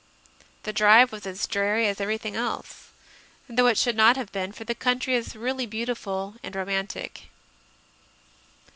The drive was as dreary as everything else, though it should not have been, for the country is really beautiful and romantic.